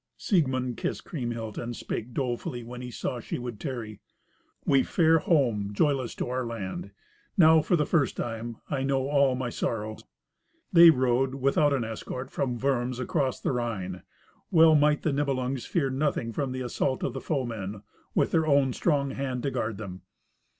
Siegmund kissed Kriemhild, and spake dolefully when he saw she would tarry, "We fare home joyless to our land. Now, for the first time, I know all my sorrows." They rode, without an escort, from Worms across the Rhine. Well might the Nibelungs fear nothing from the assault of foemen, with their own strong hand to guard them.